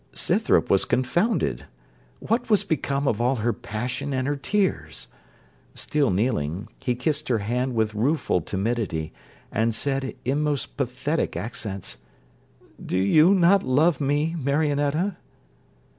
Scythrop was confounded. What was become of all her passion and her tears? Still kneeling, he kissed her hand with rueful timidity, and said, in most pathetic accents, 'Do you not love me, Marionetta?'